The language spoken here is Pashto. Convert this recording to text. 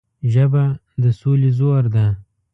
ژبه د سولې زور ده